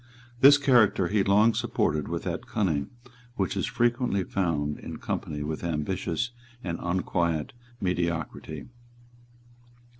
This character he long supported with that cunning which is frequently found in company with ambitious and unquiet mediocrity.